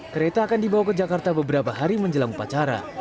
kereta akan dibawa ke jakarta beberapa hari menjelang upacara